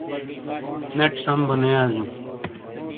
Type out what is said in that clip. نیٹ سَم بو نے یازیوں۔